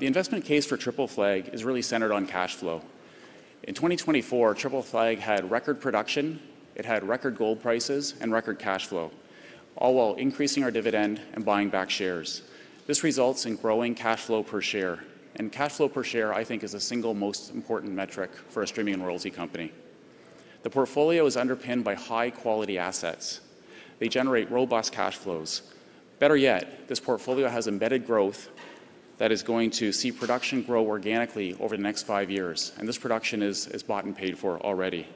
The investment case for Triple Flag is really centered on cash flow. In 2024, Triple Flag had record production, it had record gold prices, and record cash flow, all while increasing our dividend and buying back shares. This results in growing cash flow per share, and cash flow per share, I think, is the single most important metric for a streaming and royalty company. The portfolio is underpinned by high-quality assets. They generate robust cash flows. Better yet, this portfolio has embedded growth that is going to see production grow organically over the next five years, and this production is bought and paid for already.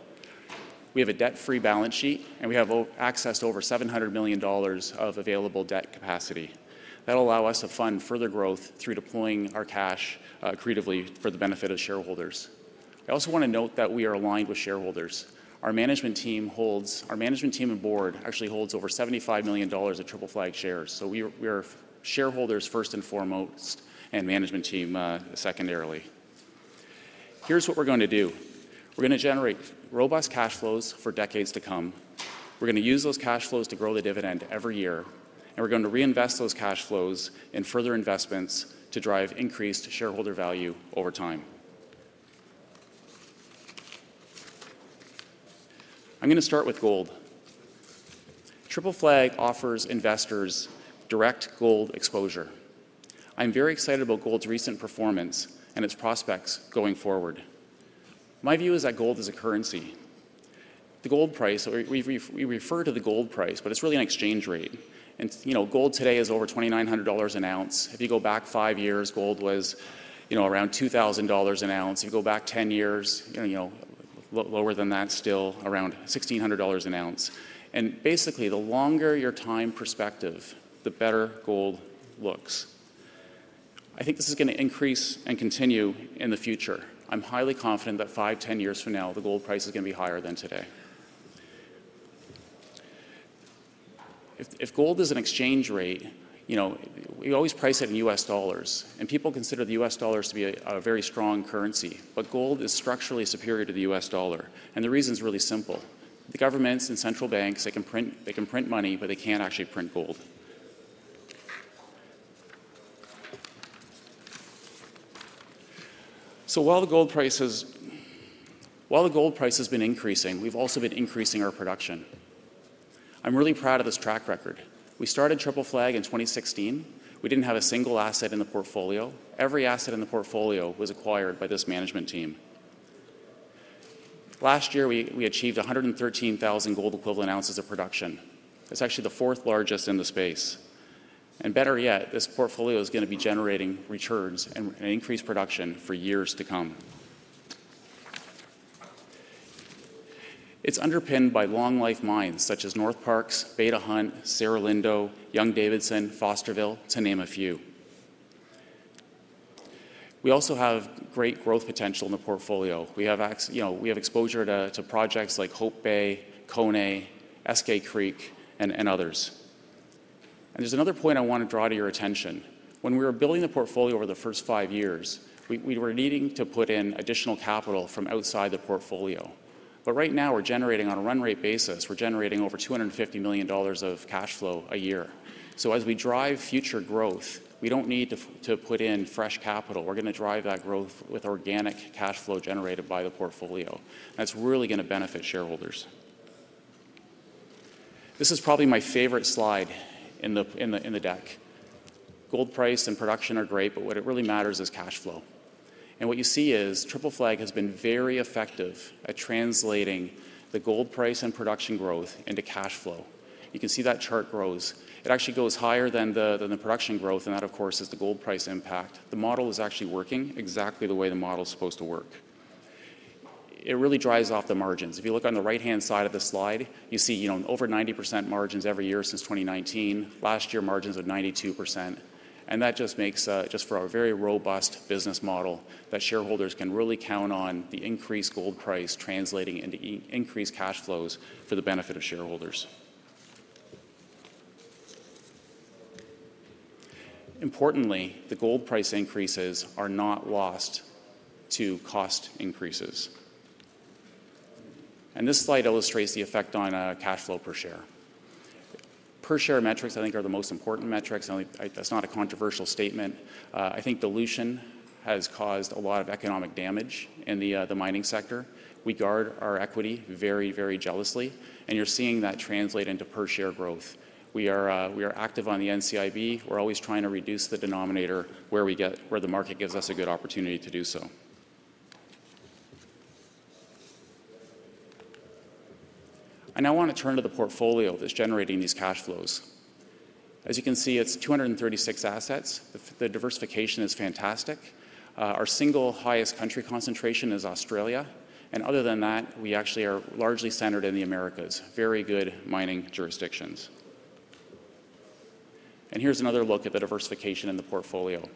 We have a debt-free balance sheet, and we have access to over $700 million of available debt capacity. That'll allow us to fund further growth through deploying our cash creatively for the benefit of shareholders. I also want to note that we are aligned with shareholders. Our management team and board actually holds over $75 million of Triple Flag shares, so we are shareholders first and foremost and management team secondarily. Here's what we're going to do. We're going to generate robust cash flows for decades to come. We're going to use those cash flows to grow the dividend every year, and we're going to reinvest those cash flows in further investments to drive increased shareholder value over time. I'm going to start with gold. Triple Flag offers investors direct gold exposure. I'm very excited about gold's recent performance and its prospects going forward. My view is that gold is a currency. The gold price, we refer to the gold price, but it's really an exchange rate, and gold today is over $2,900 an ounce. If you go back five years, gold was around $2,000 an ounce. If you go back 10 years, lower than that, still around $1,600 an ounce, and basically, the longer your time perspective, the better gold looks. I think this is going to increase and continue in the future. I'm highly confident that five, 10 years from now, the gold price is going to be higher than today. If gold is an exchange rate, we always price it in U.S. dollars, and people consider the U.S. dollars to be a very strong currency, but gold is structurally superior to the U.S. dollar, and the reason's really simple. The governments and central banks, they can print money, but they can't actually print gold, so while the gold price has been increasing, we've also been increasing our production. I'm really proud of this track record. We started Triple Flag in 2016. We didn't have a single asset in the portfolio. Every asset in the portfolio was acquired by this management team. Last year, we achieved 113,000 gold-equivalent ounces of production. That's actually the fourth largest in the space. And better yet, this portfolio is going to be generating returns and increased production for years to come. It's underpinned by long-life mines such as Northparkes, Beta Hunt, Cerro Lindo, Young-Davidson, Fosterville, to name a few. We also have great growth potential in the portfolio. We have exposure to projects like Hope Bay, Koné, Eskay Creek, and others. And there's another point I want to draw to your attention. When we were building the portfolio over the first five years, we were needing to put in additional capital from outside the portfolio. But right now, we're generating on a run-rate basis. We're generating over $250 million of cash flow a year. So as we drive future growth, we don't need to put in fresh capital. We're going to drive that growth with organic cash flow generated by the portfolio, and that's really going to benefit shareholders. This is probably my favorite slide in the deck. Gold price and production are great, but what really matters is cash flow. And what you see is Triple Flag has been very effective at translating the gold price and production growth into cash flow. You can see that chart grows. It actually goes higher than the production growth, and that, of course, is the gold price impact. The model is actually working exactly the way the model is supposed to work. It really dries off the margins. If you look on the right-hand side of the slide, you see over 90% margins every year since 2019. Last year, margins of 92%. And that just makes for a very robust business model that shareholders can really count on the increased gold price translating into increased cash flows for the benefit of shareholders. Importantly, the gold price increases are not lost to cost increases. And this slide illustrates the effect on cash flow per share. Per share metrics, I think, are the most important metrics. That's not a controversial statement. I think dilution has caused a lot of economic damage in the mining sector. We guard our equity very, very jealously, and you're seeing that translate into per share growth. We are active on the NCIB. We're always trying to reduce the denominator where the market gives us a good opportunity to do so. I now want to turn to the portfolio that's generating these cash flows. As you can see, it's 236 assets. The diversification is fantastic. Our single highest country concentration is Australia, and other than that, we actually are largely centered in the Americas. Very good mining jurisdictions. And here's another look at the diversification in the portfolio.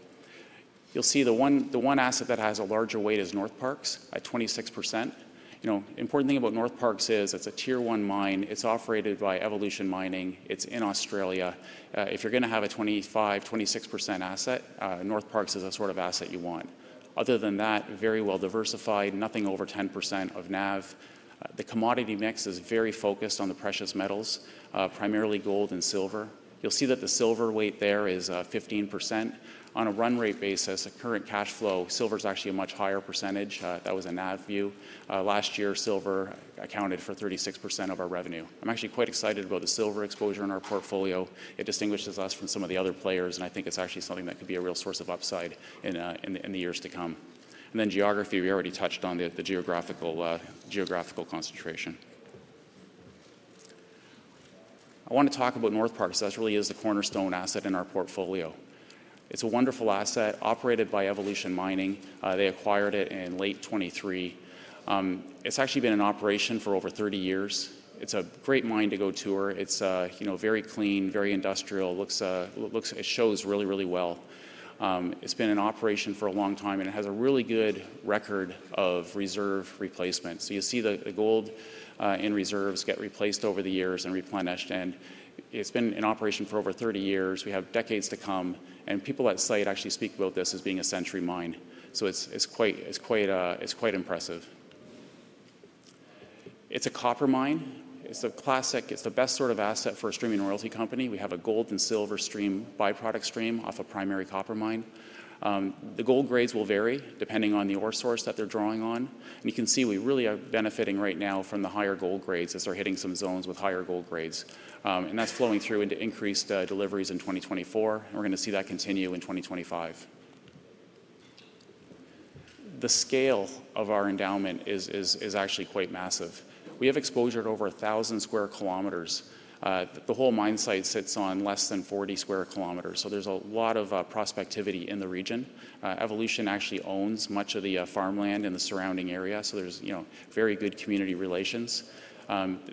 You'll see the one asset that has a larger weight is Northparkes at 26%. The important thing about Northparkes is it's a tier-one mine. It's operated by Evolution Mining. It's in Australia. If you're going to have a 25-26% asset, Northparkes is the sort of asset you want. Other than that, very well diversified, nothing over 10% of NAV. The commodity mix is very focused on the precious metals, primarily gold and silver. You'll see that the silver weight there is 15%. On a run-rate basis, a current cash flow, silver is actually a much higher percentage. That was a NAV view. Last year, silver accounted for 36% of our revenue. I'm actually quite excited about the silver exposure in our portfolio. It distinguishes us from some of the other players, and I think it's actually something that could be a real source of upside in the years to come. And then geography, we already touched on the geographical concentration. I want to talk about Northparkes. That really is the cornerstone asset in our portfolio. It's a wonderful asset operated by Evolution Mining. They acquired it in late 2023. It's actually been in operation for over 30 years. It's a great mine to go tour. It's very clean, very industrial. It shows really, really well. It's been in operation for a long time, and it has a really good record of reserve replacement, so you see the gold in reserves get replaced over the years and replenished, and it's been in operation for over 30 years. We have decades to come, and people at site actually speak about this as being a century mine, so it's quite impressive. It's a copper mine. It's the best sort of asset for a streaming royalty company. We have a gold and silver stream, byproduct stream off a primary copper mine. The gold grades will vary depending on the ore source that they're drawing on, and you can see we really are benefiting right now from the higher gold grades as they're hitting some zones with higher gold grades, and that's flowing through into increased deliveries in 2024, and we're going to see that continue in 2025. The scale of our endowment is actually quite massive. We have exposure to over 1,000 square kilometers. The whole mine site sits on less than 40 square kilometers, so there's a lot of prospectivity in the region. Evolution actually owns much of the farmland in the surrounding area, so there's very good community relations.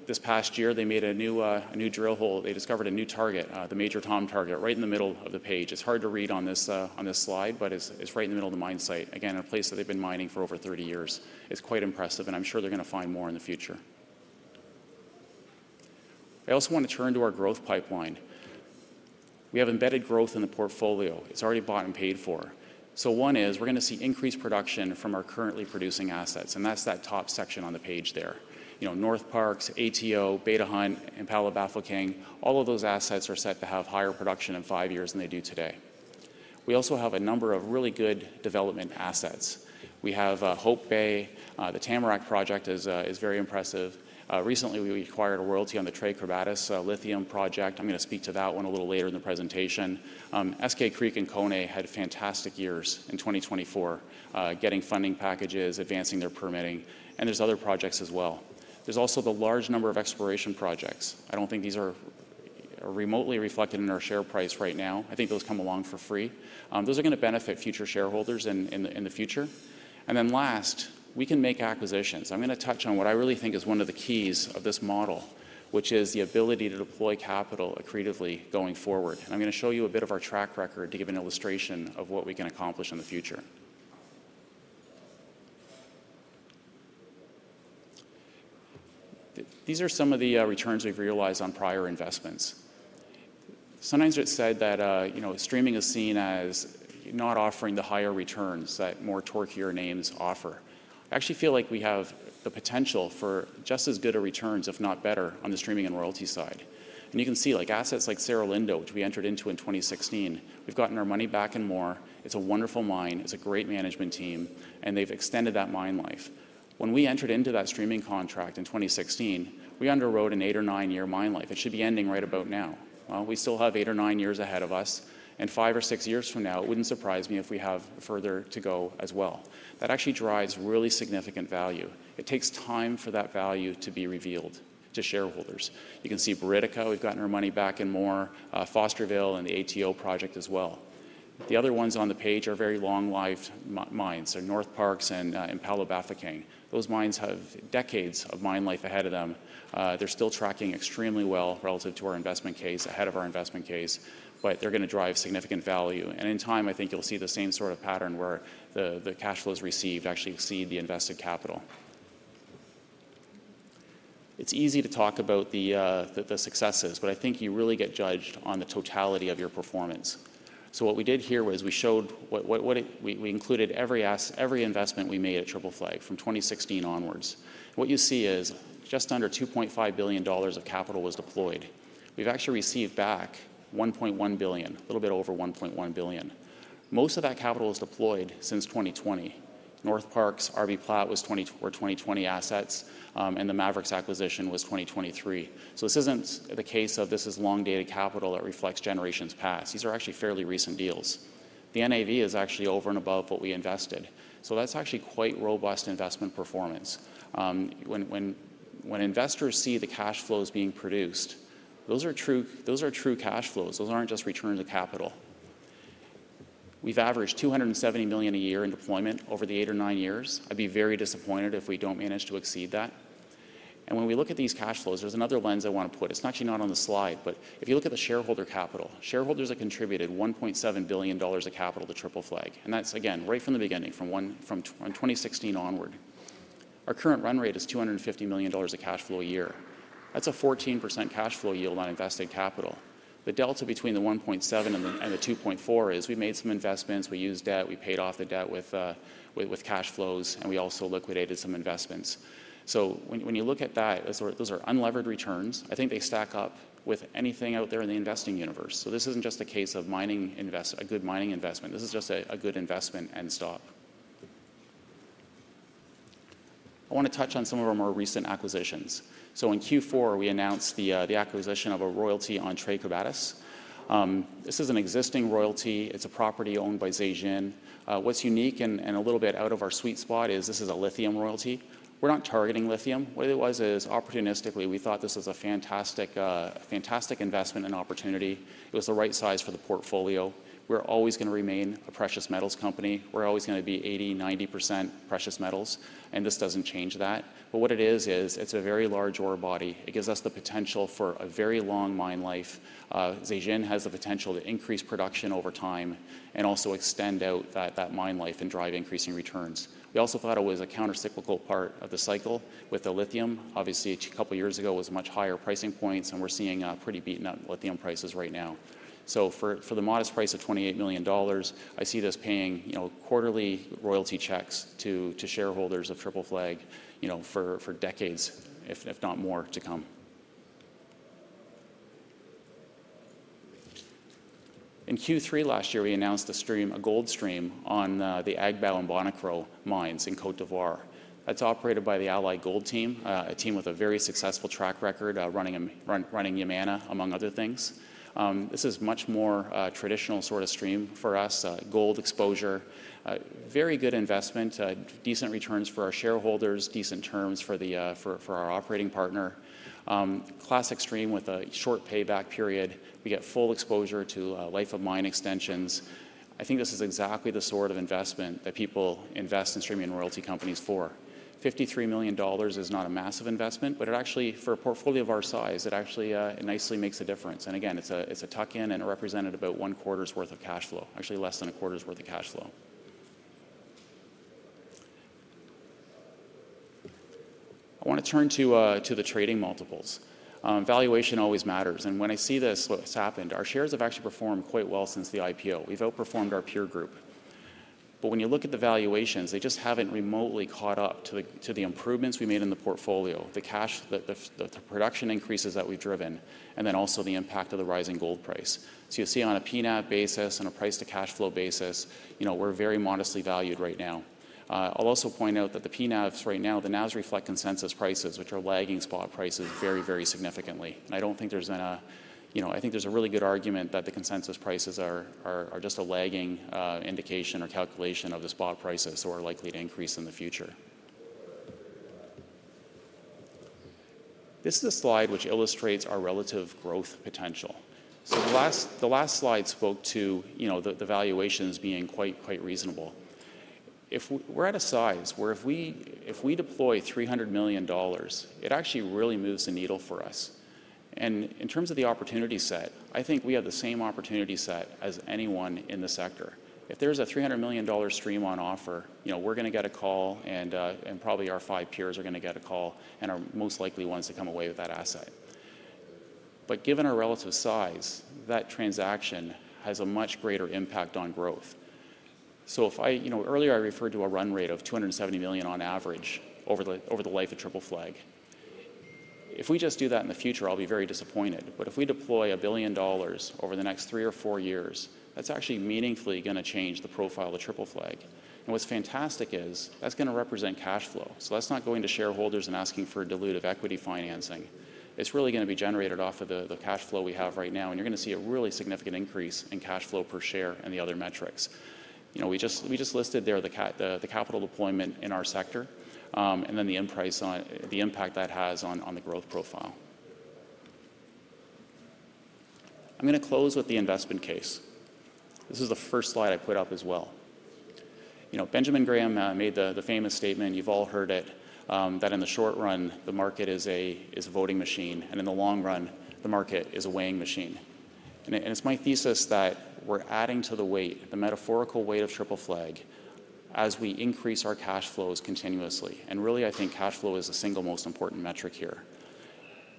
This past year, they made a new drill hole. They discovered a new target, the Major Tom target, right in the middle of the page. It's hard to read on this slide, but it's right in the middle of the mine site. Again, a place that they've been mining for over 30 years. It's quite impressive, and I'm sure they're going to find more in the future. I also want to turn to our growth pipeline. We have embedded growth in the portfolio. It's already bought and paid for. So one is we're going to see increased production from our currently producing assets, and that's that top section on the page there. Northparkes, ATO, Beta Hunt, Impala Bafokeng, all of those assets are set to have higher production in five years than they do today. We also have a number of really good development assets. We have Hope Bay. The Tamarack project is very impressive. Recently, we acquired a royalty on the Tres Quebradas lithium project. I'm going to speak to that one a little later in the presentation. Eskay Creek and Koné had fantastic years in 2024, getting funding packages, advancing their permitting, and there's other projects as well. There's also the large number of exploration projects. I don't think these are remotely reflected in our share price right now. I think those come along for free. Those are going to benefit future shareholders in the future, and then last, we can make acquisitions. I'm going to touch on what I really think is one of the keys of this model, which is the ability to deploy capital accretively going forward, and I'm going to show you a bit of our track record to give an illustration of what we can accomplish in the future. These are some of the returns we've realized on prior investments. Sometimes it's said that streaming is seen as not offering the higher returns that more torquier names offer. I actually feel like we have the potential for just as good a returns, if not better, on the streaming and royalty side, and you can see assets like Cerro Lindo, which we entered into in 2016. We've gotten our money back and more. It's a wonderful mine. It's a great management team, and they've extended that mine life. When we entered into that streaming contract in 2016, we underwrote an eight or nine-year mine life. It should be ending right about now. Well, we still have eight or nine years ahead of us, and five or six years from now, it wouldn't surprise me if we have further to go as well. That actually drives really significant value. It takes time for that value to be revealed to shareholders. You can see Buriticá. We've gotten our money back and more. Fosterville and the ATO project as well. The other ones on the page are very long-life mines, so Northparkes and Impala Bafokeng. Those mines have decades of mine life ahead of them. They're still tracking extremely well relative to our investment case, ahead of our investment case, but they're going to drive significant value. In time, I think you'll see the same sort of pattern where the cash flows received actually exceed the invested capital. It's easy to talk about the successes, but I think you really get judged on the totality of your performance. What we did here was we showed what we included every investment we made at Triple Flag from 2016 onwards. What you see is just under $2.5 billion of capital was deployed. We've actually received back $1.1 billion, a little bit over $1.1 billion. Most of that capital was deployed since 2020. Northparkes, RBPlat were 2020 assets, and the Maverix acquisition was 2023. This isn't the case of this is long-dated capital that reflects generations past. These are actually fairly recent deals. The NAV is actually over and above what we invested. That's actually quite robust investment performance. When investors see the cash flows being produced, those are true cash flows. Those aren't just returns of capital. We've averaged $270 million a year in deployment over the eight or nine years. I'd be very disappointed if we don't manage to exceed that, and when we look at these cash flows, there's another lens I want to put. It's actually not on the slide, but if you look at the shareholder capital, shareholders have contributed $1.7 billion of capital to Triple Flag, and that's, again, right from the beginning, from 2016 onward. Our current run rate is $250 million of cash flow a year. That's a 14% cash flow yield on invested capital. The delta between the 1.7 and the 2.4 is we made some investments, we used debt, we paid off the debt with cash flows, and we also liquidated some investments. So when you look at that, those are unlevered returns. I think they stack up with anything out there in the investing universe. So this isn't just a case of a good mining investment. This is just a good investment and stop. I want to touch on some of our more recent acquisitions. So in Q4, we announced the acquisition of a royalty on Tres Quebradas. This is an existing royalty. It's a property owned by Zijin. What's unique and a little bit out of our sweet spot is this is a lithium royalty. We're not targeting lithium. What it was is opportunistically, we thought this was a fantastic investment and opportunity. It was the right size for the portfolio. We're always going to remain a precious metals company. We're always going to be 80%-90% precious metals, and this doesn't change that. But what it is, is it's a very large ore body. It gives us the potential for a very long mine life. Zijin has the potential to increase production over time and also extend out that mine life and drive increasing returns. We also thought it was a countercyclical part of the cycle with the lithium. Obviously, a couple of years ago, it was a much higher price points, and we're seeing pretty beaten-up lithium prices right now. So for the modest price of $28 million, I see this paying quarterly royalty checks to shareholders of Triple Flag for decades, if not more, to come. In Q3 last year, we announced a gold stream on the Agbaou and Bonikro mines in Côte d'Ivoire. That's operated by the Allied Gold team, a team with a very successful track record running Yamana, among other things. This is much more traditional sort of stream for us, gold exposure, very good investment, decent returns for our shareholders, decent terms for our operating partner, classic stream with a short payback period. We get full exposure to life of mine extensions. I think this is exactly the sort of investment that people invest in streaming and royalty companies for. $53 million is not a massive investment, but for a portfolio of our size, it actually nicely makes a difference, and again, it's a tuck-in, and it represented about one quarter's worth of cash flow, actually less than a quarter's worth of cash flow. I want to turn to the trading multiples. Valuation always matters, and when I see this, what's happened, our shares have actually performed quite well since the IPO. We've outperformed our peer group. But when you look at the valuations, they just haven't remotely caught up to the improvements we made in the portfolio, the production increases that we've driven, and then also the impact of the rising gold price. So you'll see on a PNAV basis and a price-to-cash flow basis, we're very modestly valued right now. I'll also point out that the PNAVs right now, the NAVs reflect consensus prices, which are lagging spot prices very, very significantly. I think there's a really good argument that the consensus prices are just a lagging indication or calculation of the spot prices who are likely to increase in the future. This is a slide which illustrates our relative growth potential, so the last slide spoke to the valuations being quite reasonable. If we're at a size where if we deploy $300 million, it actually really moves the needle for us. In terms of the opportunity set, I think we have the same opportunity set as anyone in the sector. If there's a $300 million stream on offer, we're going to get a call, and probably our five peers are going to get a call and are most likely ones to come away with that asset. Given our relative size, that transaction has a much greater impact on growth. Earlier, I referred to a run-rate of $270 million on average over the life of Triple Flag. If we just do that in the future, I'll be very disappointed. If we deploy $1 billion over the next three or four years, that's actually meaningfully going to change the profile of Triple Flag. And what's fantastic is that's going to represent cash flow. So that's not going to shareholders and asking for dilutive equity financing. It's really going to be generated off of the cash flow we have right now, and you're going to see a really significant increase in cash flow per share and the other metrics. We just listed there the capital deployment in our sector and then the impact that has on the growth profile. I'm going to close with the investment case. This is the first slide I put up as well. Benjamin Graham made the famous statement, you've all heard it, that in the short run, the market is a voting machine, and in the long run, the market is a weighing machine. And it's my thesis that we're adding to the weight, the metaphorical weight of Triple Flag, as we increase our cash flows continuously. Really, I think cash flow is the single most important metric here.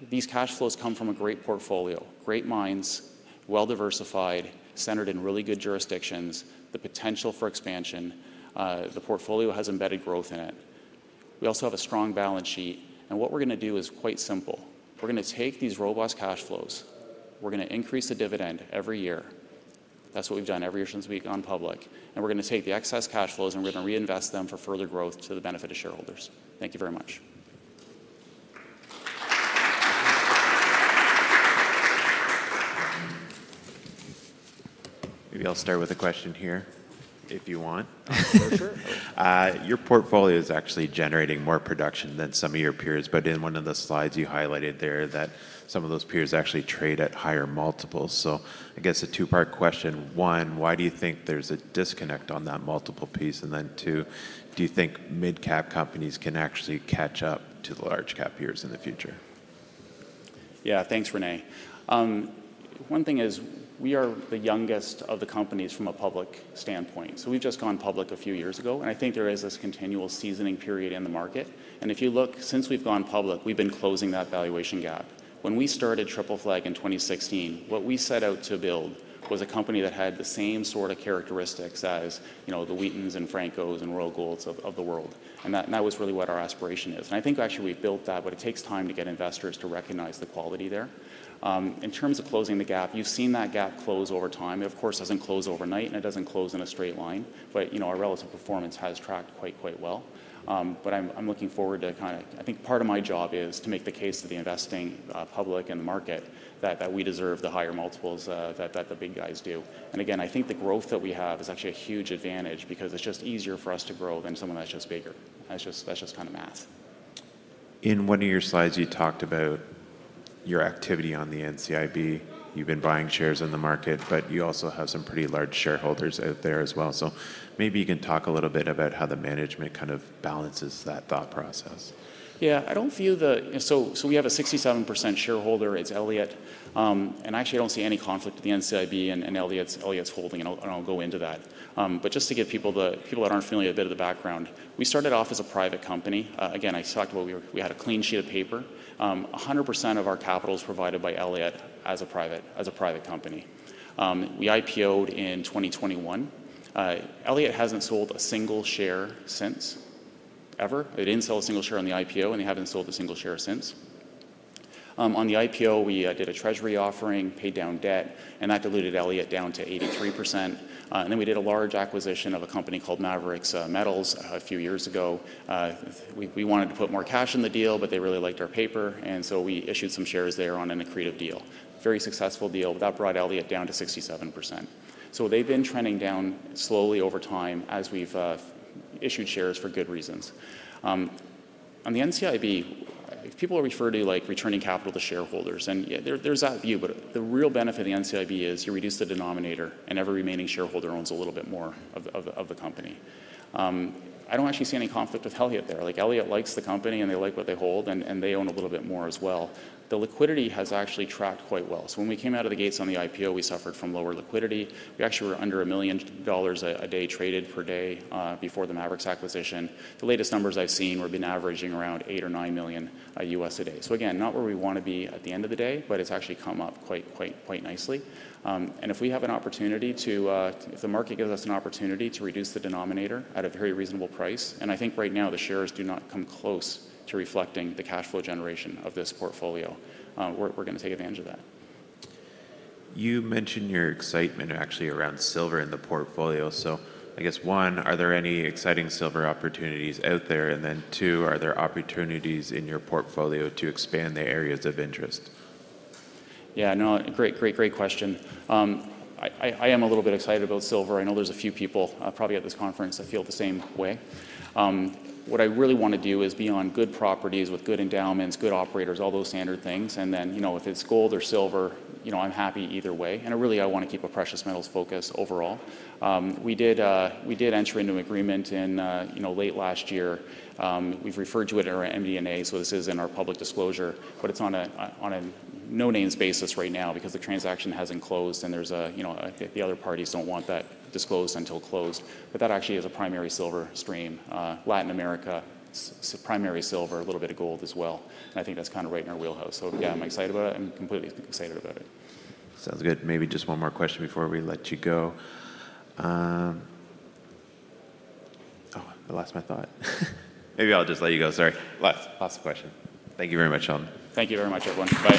These cash flows come from a great portfolio, great mines, well-diversified, centered in really good jurisdictions, the potential for expansion. The portfolio has embedded growth in it. We also have a strong balance sheet, and what we're going to do is quite simple. We're going to take these robust cash flows. We're going to increase the dividend every year. That's what we've done every year since we've gone public. We're going to take the excess cash flows, and we're going to reinvest them for further growth to the benefit of shareholders. Thank you very much. Maybe I'll start with a question here, if you want. Your portfolio is actually generating more production than some of your peers, but in one of the slides you highlighted there that some of those peers actually trade at higher multiples. So I guess a two-part question. One, why do you think there's a disconnect on that multiple piece? And then two, do you think mid-cap companies can actually catch up to the large-cap peers in the future? Yeah, thanks, Renee. One thing is we are the youngest of the companies from a public standpoint, so we've just gone public a few years ago, and I think there is this continual seasoning period in the market, and if you look, since we've gone public, we've been closing that valuation gap. When we started Triple Flag in 2016, what we set out to build was a company that had the same sort of characteristics as the Wheatons and Francos and Royal Golds of the world, that was really what our aspiration is, I think actually we've built that, but it takes time to get investors to recognize the quality there. In terms of closing the gap, you've seen that gap close over time. It of course doesn't close overnight, and it doesn't close in a straight line, but our relative performance has tracked quite, quite well. But I'm looking forward to kind of, I think, part of my job is to make the case to the investing public and the market that we deserve the higher multiples that the big guys do. And again, I think the growth that we have is actually a huge advantage because it's just easier for us to grow than someone that's just bigger. That's just kind of math. In one of your slides, you talked about your activity on the NCIB. You've been buying shares in the market, but you also have some pretty large shareholders out there as well. So maybe you can talk a little bit about how the management kind of balances that thought process? Yeah, I don't view the, so we have a 67% shareholder. It's Elliott. And actually, I don't see any conflict at the NCIB and Elliott's holding, and I'll go into that. But just to give people that aren't familiar a bit of the background, we started off as a private company. Again, I talked about we had a clean sheet of paper. 100% of our capital is provided by Elliott as a private company. We IPO'd in 2021. Elliott hasn't sold a single share since, ever. They didn't sell a single share on the IPO, and they haven't sold a single share since. On the IPO, we did a treasury offering, paid down debt, and that diluted Elliott down to 83%. And then we did a large acquisition of a company called Maverix Metals a few years ago. We wanted to put more cash in the deal, but they really liked our paper, and so we issued some shares there on an accretive deal. Very successful deal. That brought Elliott down to 67%. So they've been trending down slowly over time as we've issued shares for good reasons. On the NCIB, people refer to returning capital to shareholders, and there's that view, but the real benefit of the NCIB is you reduce the denominator, and every remaining shareholder owns a little bit more of the company. I don't actually see any conflict with Elliott there. Elliott likes the company, and they like what they hold, and they own a little bit more as well. The liquidity has actually tracked quite well. So when we came out of the gates on the IPO, we suffered from lower liquidity. We actually were under $1 million a day traded per day before the Maverix acquisition. The latest numbers I've seen have been averaging around eight or nine million USD a day. So again, not where we want to be at the end of the day, but it's actually come up quite nicely. And if we have an opportunity to, if the market gives us an opportunity to reduce the denominator at a very reasonable price, and I think right now the shares do not come close to reflecting the cash flow generation of this portfolio, we're going to take advantage of that. You mentioned your excitement actually around silver in the portfolio. So I guess, one, are there any exciting silver opportunities out there? And then two, are there opportunities in your portfolio to expand the areas of interest? Yeah, no, great, great, great question. I am a little bit excited about silver. I know there's a few people probably at this conference that feel the same way. What I really want to do is be on good properties with good endowments, good operators, all those standard things. And then if it's gold or silver, I'm happy either way. And really, I want to keep a precious metals focus overall. We did enter into an agreement in late last year. We've referred to it at our MD&A, so this is in our public disclosure, but it's on a no-names basis right now because the transaction hasn't closed and there's a, the other parties don't want that disclosed until closed. But that actually is a primary silver stream. Latin America, primary silver, a little bit of gold as well. And I think that's kind of right in our wheelhouse. So yeah, I'm excited about it. I'm completely excited about it. Sounds good. Maybe just one more question before we let you go. Oh, I lost my thought. Maybe I'll just let you go. Sorry. Last question. Thank you very much, Shaun. Thank you very much, everyone.